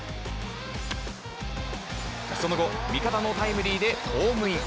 その後、味方のタイムリーでホームイン。